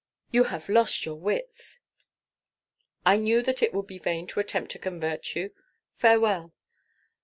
You have lost your wits!" "I knew that it would be vain to attempt to convert you. Farewell!"